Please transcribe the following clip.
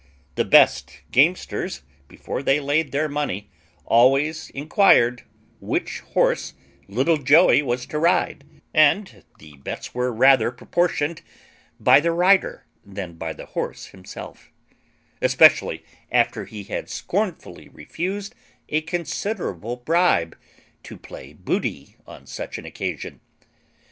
The best gamesters, before they laid their money, always inquired which horse little Joey was to ride; and the bets were rather proportioned by the rider than by the horse himself; especially after he had scornfully refused a considerable bribe to play booty on such an occasion.